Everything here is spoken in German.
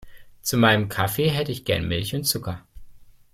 Zu meinem Kaffee hätte ich gern Milch und Zucker.